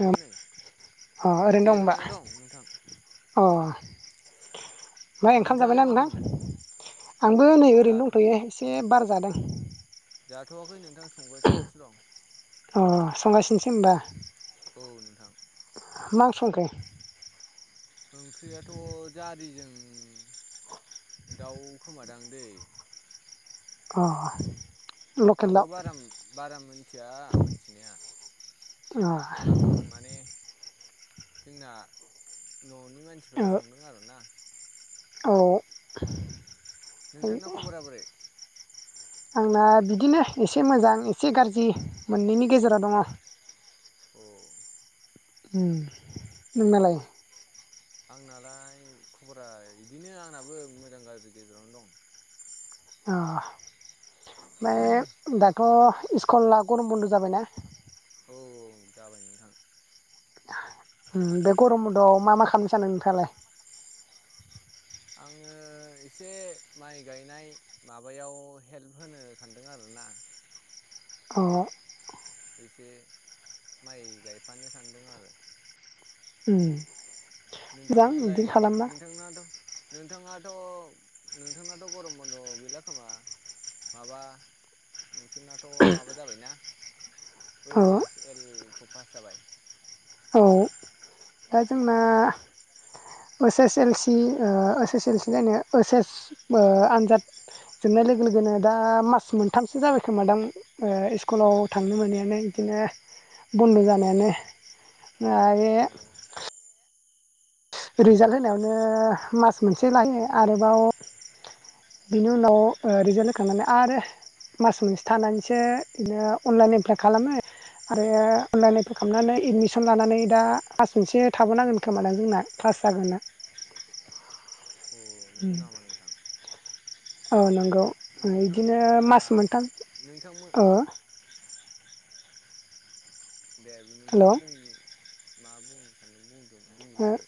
अ दं नै ओ ओरैनो दं होनबा जिरायना नोंथां अ [inaudible] बाय ओंखाम नोंथाङालाय जाबायना मा खालामदों नोंथां आंबो नै ओरैनो जाथ' दंथ'यो एसे बार जादों। जाथ'वाखै नोंथां संगासिनोसो दं। अ संगासिनोसो होमबा। औ नोंथां। ह मा ओंख्रि संगै। ओंख्रियाथ' जारि जों दाउ खोमादां दै। अ लकेल दाउ आंबो बारा-बारा मिथिया मिथिनाया। अह। जोंना न'नि अ मानसिफोरा संदों आरोना। औ। नोंथांनाव खबरा बोरै? आंना बिदिनो एसे मोजां एसे गाज्रि मोननैनि गेजेराव दङ। औ। उम नोंनालाय? आंनालाय खबरा इदिनो आंनाबो मोजां गाज्रि गेजेरावनो दं। अ ओमफ्राय दाथ' इस्कुलाला गरम बन्द' जाबायना? औ जाबाय नोंथां। बे गरम बन्द'आव मा मा खालामनो सानो नोंथाङालाय? आङो एसे माइ गायनाय माबायाव हेल्प होनो सानदों आरोना। [inaudible] अ। एसे माइ गायफानो सानदों आरो। उम मोजां नोंथाङालाय बिदिनो खालामबा नोंथांनाथ' नोंथाङाथ' नोंथांनाथ' गरम बन्द' गैला खोमा। माबा नोंसोरनाथ' माबा जाबायना? अ ओइस एस एल खौ पास जाबाय? औ दा जोंना ओस एस एल सि ओस एस एल सि नो ओइस एस ओ आनजाद जोबनाय लोगो लोगोनो दा मास मोनथामसो जाबाय खोमादां ओ इस्कुलाव थांनो मोनियानो बिदि दिनो बन्द' जानायानो आयो औ रिजाल्ट होनायावनो मास मोनसे लायो आरोबाव बेनि उनाव ओ रिजाल्ट होखांनानै आरो मास मोनसे थानानैसो बिनो अनलाइन एप्लाइ खालामो। आरो अनलाइन एफ्लाय खालामनानै एडमिसन लानानै दा पास मोनसे थाबोनांगोन खोमा दं जोंना। क्लास जागोन आ। अ नंगौ नामा नोंथां [inaudible] औ नंगौ। इदिनो नोंथांमोना मास मोनथाम नोंथांमोन ओ दे नोंथाङा हेलौ बुं मा बुंनो सानदों बुंदों। ओ बुंग्रोदो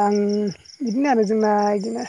आं बिदिनो आरो जोंना इदिनो।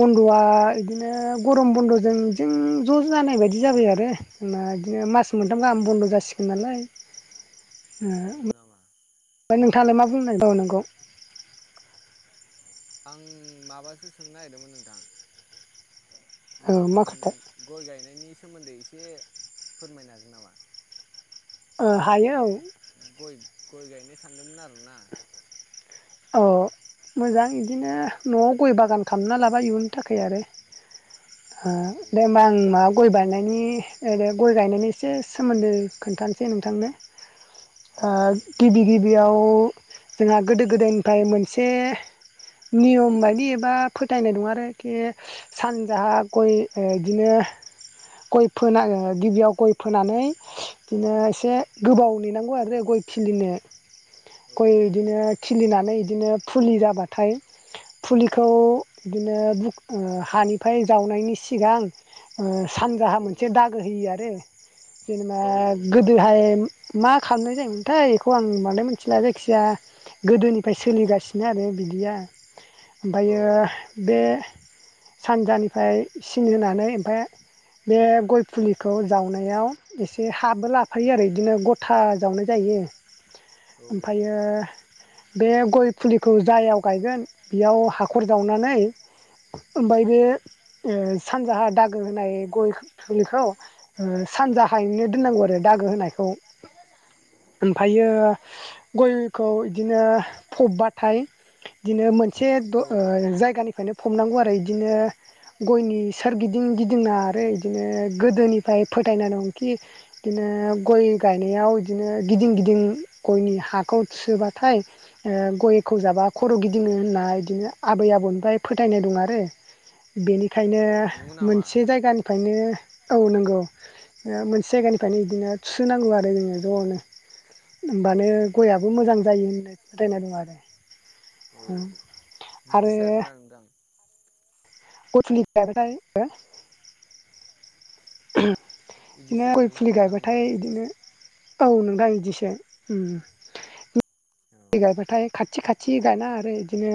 बन्द'आ इदिनो गरम बन्द'जों बिदि ज'' जानाय बायदि जाबाय आरो जोंना। इदिनो मास मोनथाम गाहाम बन्द' जासिगोन नालाय ओ मोनथाम गाहाम बन्द' जासिगोन नालाय। नंगौ नामा ओमफ्राय नोंथाङालाय मा बुंनाय दङ नोंगौ। आं माबासो सोंनो नागिरदोंमोन नोंथां। औ मा नों खोथा गय गायनायनि सोमोन्दै एसे फोरमायनो हागोन नामा? ओ आं माने हायो औ गय-गय गायनो सानदोंमोन आरोना। औ। मोजां इदिनो न'आव गय बागान खालामना लाबाय इयुननि थाखाय आरो। ओ औ दे होमबा आं माबा गय बायनाय मानि ओरै गय गायनायनि एसे सोमोन्दो खोन्थानोसै नोंथांनो। औ नोंथां औ ओ गिबि गिबियाव जोंहा गोदो-गोदायनि गाय मोनसे नियम बायदि एबा फोथायनाय दं आरोखि सानजाहा गय ओ इदिनो [inaudible] गय फोनाओ गिबियाव गय फोनानै इदिनो एसे गोबाव नेनांगौ आरो गय खिलिनो गय इदिनो खिलिनानै इदिनो फुलि जाबाथाय फुलिखौ बिदिनो बुक ओ हानिफाय जावनायनि सिगां ओ सानजाहा औ मोनसे दागो होयो आरो जेनेबा नोंथां औ सानजाहा मोनसे दागो होयो आरो औ नोंथां गोदोहाय औ नोंथां औ मोनसे जायगानिफ्रायनो हमनांगौ आरो गोदोहाय मा खामनाय जायोमोनथाय बेखौ आं बांद्राय मिथिला जायखिजाया गोदोनि फाय सोलिगासिनो आरो बिदिया ओमफायो बे सानजानिफाय सिन होनानै ओमफाय बे गय फुलिखौ जावनायाव एसे हाबो लाफायो आरो इदिनो गथा जावनाय जा यो ओमफायो बे गय फुलिखौ जायाव गायगोन बेयाव हाखर जावनानै ओमफाय बे ओ सानजाहा दागो होनाय गय फुलिखौ ओ सानजाहायैनो दोननांगौ आरो दागो होनायखौ। ओमफायो गयखौ इदिनो फबबाथाय इदिनो मोनसे द ओ जायगानि फायनो फबनांगौ आरो इदिनो गयनि सोरगिदिं गिदिंना आरो इदिनो गोदोनिफाय फोथायना दंखि इदि नो गय गायनायाव इदिनो गिदिं गिदिं गयनि हाखौ थुसोबाथाय ओ गयखौ जाबा खर' गिदिङो होनना इदिनो आबै आबौनिफ्राय फोथायनाय दं आरो। बेनिखायनो बिदिनो अ नंगौ मोनसे नामा जायगानिफायनो औ नंगौ ओ मोनसे जायगानिफायनो इदिनो थुसो नांगौ आरो जोङो ज'नो। [inaudible] होमबानो गयाबो मोजां जायो होननाय फोथायनाय दं औ आरो। बिदिसो आरोना नोंथां? [unintelligible] थिनो बिदिसो गय आरोना फुलि नोंथां गायबाथाय होमबा इदिनो औ नोंथां इदिसो उम उम। औ लि गायबाथाय खाथि खाथि गायनाङा आरो इदिनो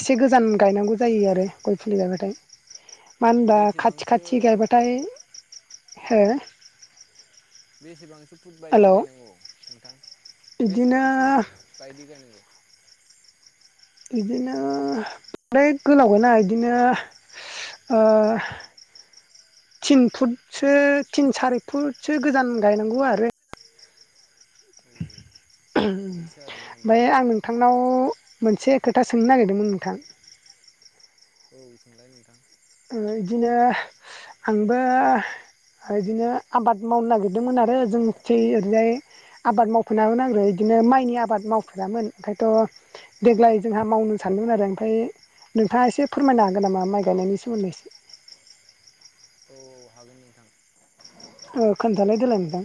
एसे गोजान गायनांगौ जायो आरो गय फु लि गायबाथाय। [inaudible] मानबा खाथि बेसेबांसो खाथि गायबाथाय। हो? बेसेबांसो फुद बायदि हेल' गायनांगौ नोंथां बिदिनो बेसेबां फुद बायदि गायनांगौ? बिदिनो फ्राय गोलावखोना इदिनो ओ थिन फुटसो थिन सारि फुटसो गोजान गायनांगौ आरो। औ बिदिसो आरोना होमबा ओमफाय आं नोंथां नोंथांनाव मोनसे खोथा सोंनो नागिरदोंमोन नोंथां। औ सोंलाय नोंथां। आंङो इदिनो आंबो इदिनो आबाद मावनो नागिरदोंमोन आरो जोंनिथिं ओरैजाय आबाद मावफेनामोन आंबो बिदिनो माइनि आबाद मावफेरामोन ओमफायथ' देग्लाय जोंहा मावनो सा सानदों आरो ओमफाय नोंथाङा एसे फोरमायनो हागोन नामा माइ गायनायनि सो मोन्दै। औ हागोन नोंथां ओ खोनथालाय देलाय नोंथां।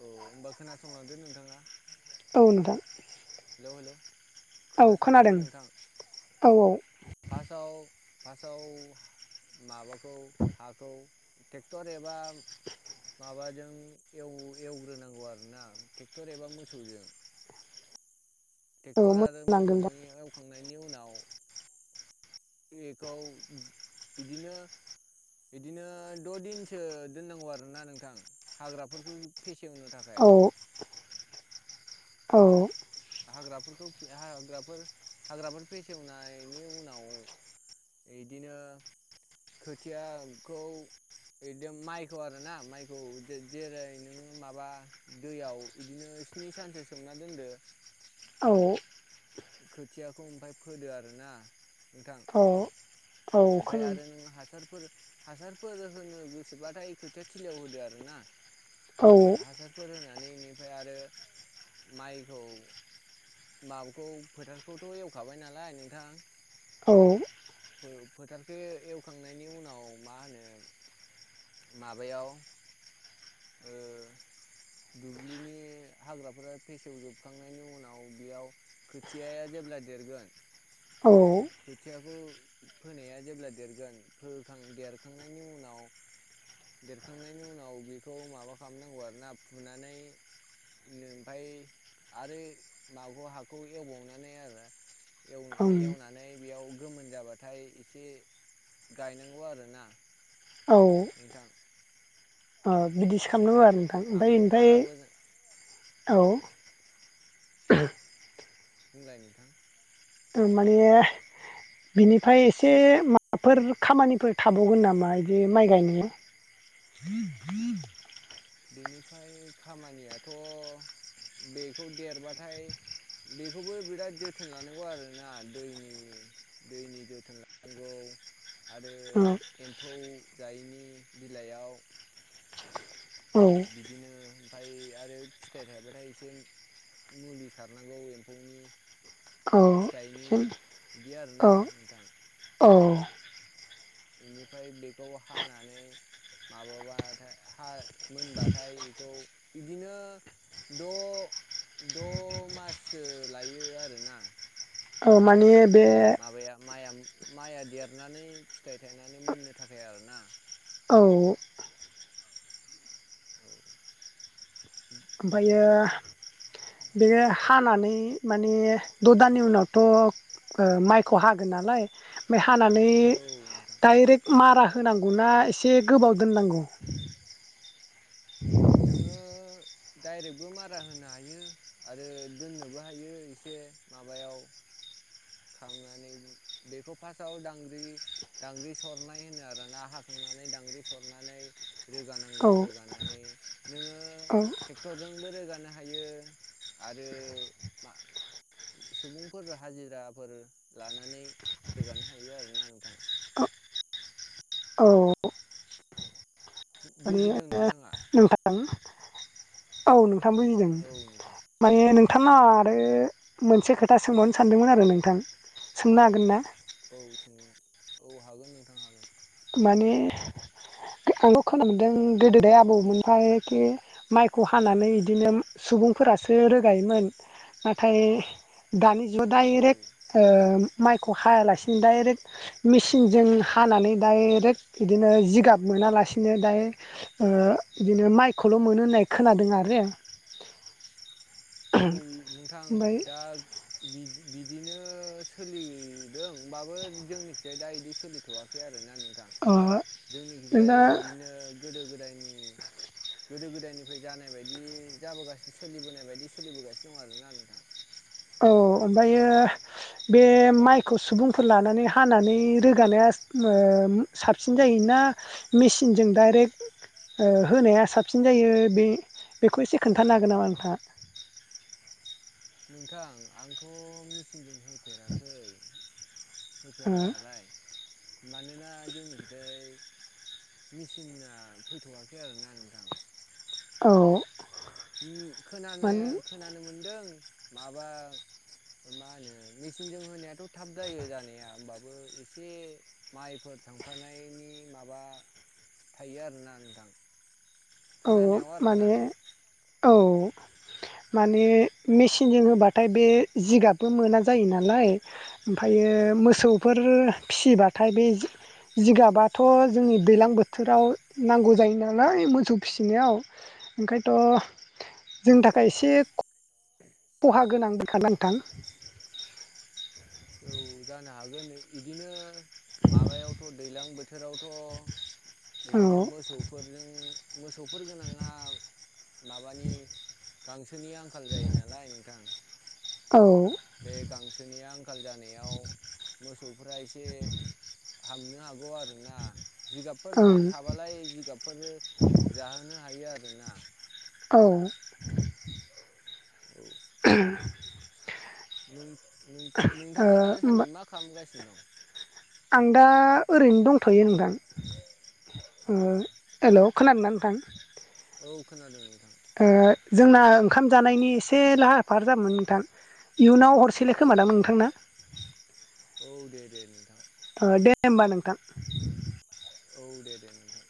औ होमबा खोनासंलांदो नोंथांङा। औ नोंथां। हेलौ हेलौ औ खोनासंलांदो खोनादों नोंथां औ फासाव फासआव माबाखौ हाखौ ट्रेक्टर एबा माबाजों एव‌ एवग्रोनांगौ आरोना ट्रेक्टर एबा मोसौजों। [inaudible] औ ट्रेक्टर आरो मोजां नांदों दा मोसौजों एवखांनायनि उनाव थिख बेखौ बिदिनो बिदिनो द दिनसो दोननांगौ आरोना नोंथां हाग्राफोरखौ फेसेवनो थाखाय औ औ हाग्राफोरखौ हाग्राफोर हाग्राफोर फेसेवनायनि उनाव इदिनो खोथियाखौ बिदि माइखौ आरो ना माइखौ जेरै नोङो माबा दैयाव बिदिनो स्नि सानसो सोमना दोनदो औ खोथियाखौ ओमफाय फोदो आरो ना नोंथां औ औ ओमफाय खोनादों आरो नों हासारफोर हासारफोर होनो गोसोबाथाय खोथिया थिलियाव होदो आरो ना औ हासारफोर होनानै इनिफ्राय आरो माइखौ माबाखौ फोथारखौथ एवखाबाय नालाय नोंथां औ फोथारखौ एवखांनायनि उनाव मा होनो माबायाव ओ दुब्लिनि हाग्राफोरा फेसेवजोबखांनायनि उनाव बेयाव खोथियाया जे जेब्ला देरगोन खोथियाखौ फोनाया जेब्ला देरगोन फोखां देरखांनायनि उनाव देरखांनायनि उनाव बेखौ माबा खालामनांगौ आरो ना फुनानै नों ओमफाय आरो माबाखौ हाखौ एवबावनानै आरो ओं एव-एवनानै बेयाव गोमोन जाबा नाथाय इसे गायनांगौ आरो ना नोंथां अ बिदिसो खालामनांगौ आरो नोंथां आंबो ओमफाय बारा मोजां औ ओमफाय औ औ बुंलाय नोंथां तारमाने बिनिफाय एसे माबाफोर खामानिफोर थाबावगोन नामा इदि माइ गायनायनि [inaudible] बेनिफाय खामानियाथ बेखौ देरबाथाय बेखौबो बिराद जोथोन लानांगौ आरोना दैनि दैनि जोथोन लानांगौ आरो औ एम्फौ जायैनि बिलाइयाव बिदिनो ओमफाय आरो फिथाइ थायबाथाय एसे मुलि सारनांगौ एम्फौनि औ फिथाइनि बिदि औ आरोना नोंथां औ बिनिफ्राय बेखौ हानानै माबाबाथाय हा मोनबाथाय इखौ इदिनो द द माससो लायो आरोना अ माने बे माबाया माइया माइआ देरनानै फिथाइ थायनानै मोननो थाखाय आरोना औ औ ओमफायो बिदिनो बेयो हानानै माने द दाननि उनावथ माइखौ हागोन नालाय हानानै औ नोंथां डाइरेक्ट मारा होनांगौना इसे गोबाव दोननांगौ नोङो डायरेकबो मारा होनो हायो आरो दोननोबो हायो इसे माने माबायाव खालामनानै बेखौ फार्स्टआव दांग्रि दांग्रि सरनाय होनो आरोना हाखांनानै दांग्रि सरनानै रोगानांगौ औ रोगानानै नोङो औ ट्रेक्टरजोंबो रोगानो हायो आरो मा सुबुंफोर हाजिराफोर लानानै रोगानो हायो आरोना नोंथां। औ माने बुजिदों नोंथाङा? नोंथां औ नोंथां बुजिदों। औ नोंथां माने नों थाङा आरो मोनसे खोथा सोंबावनो सानदोंमोन आरो नोंथां सोंनो हागोन ना? औ सोंनो औ हागोन नोंथां हागोन। माने आंबो खोनानो मोनदों गोदोदाय आबौमोनफ्राय खि माइखौ हानानै बिदिनो सुब बुंफोरासो रोगायोमोन। नाथाय दानि औ डाइरेक्ट माइखौ हायालासिनो डाइरेक्ट मेसिनजों हानानै डाइरेक्ट बिदिनो जिगाब मोनालासिनो दाय ओ बिदिनो माइखौल' मोनो होननाय खोनादों आरो। औ नोंथां ओमफ्राय दा बिदि बिदिनो सोलिदोंबाबो जोंनिथिंजाय दा बिदि सोलिथ'वाखै आरोना नों थां। ओ जोंनिखैजाय नोंना बिदिनो गोदो गोदा दायनि गोदो गोदायनिफ्राय जानाय बायदि जाबोगासिनो सोलिबोनाय बायदि सोलि सोलिबोगासिनो दं आरोना नोंथां। औ ओमफायो बे माइखौ सुबुंफोर लानानै हानानै रोगानाया स ओ साबसिन जायोना ना मेसिनजों डाइरेक्ट ओ होनाया साबसिन जायो बे-बेखौ एसे खोन्थानो हागोन नामा नोंथांङा? नोंथां आंथ' मेचिनजों होफेराखै। होफेरनायालाय मानोना जोंनिखैजाय मेचिना फैथ'वाखै आरोना नोंथां। औ। उम खोनानो माने खोनानो मोनदों माबा मा होनो मेचिनजों होनायाथ' थाब जायो जानाया होमबाबो एसे माइफोर थांफानायनि माबा थायो आरोना नोंथां। औ खोनानायाव आरोना माने औ। माने मेचिनजों होबाथाय बे जिगाबबो मोना जायो नालाय ओमफायो औ मोसौफोर फिसिबाथाय बे जि जिगाबाथ' जोंनि दैलां बोथोराव नांगौ जायो नालाय मोसौ फिसिनायाव ओंखायनोथ' जोंनि थाखाय एसे ख खहा गोनां [unintelligible] नोंथां। औ जानो हागोन इ-इदिनो माबायावथ' दैलां बोथोरावथ' औ बिदिनो मोसौफोरजों मोसौफोर गोनाङा माबानि गांसोनि आंखाल जायो नालाय नोंथां। औ। बे गांसोनि आंखाल जानायाव मोसौफ्रा एसे हामनो हागौ आरोना। जिगाबफोर ओं थाबालाय जिगाबफोर जाहोनो हायो आरोना। औ। नों-नों-नोंथाङा होमबा दासानदि मा खालामगासिनो दं? आं दा ओरैनो दंथ'यो नोंथां। औ ओ हेल' खोनादोंना नोंथां? औ खोनादों नोंथां। ओ जोंना ओंखाम जानायनि एसे लाहार फाहार जाबोमोन नोंथां। इयुनाव हरसेले औ खोमा दां नोंथां ना? औ दे दे नोंथां। ओ दे होमबा नोंथां। औ दे दे नोंथां।